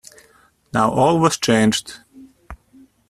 Now all was changed.